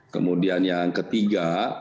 kemudian yang ketiga